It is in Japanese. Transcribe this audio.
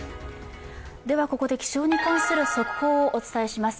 ここで気象に関する速報をお伝えします。